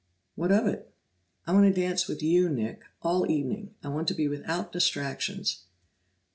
"What of it?" "I want to dance with you, Nick all evening. I want to be without distractions."